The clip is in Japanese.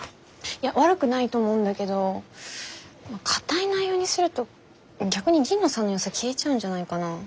いや悪くないと思うんだけど硬い内容にすると逆に神野さんのよさ消えちゃうんじゃないかな。